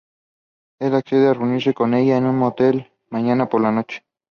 Él accede a reunirse con ella en un motel mañana por la noche.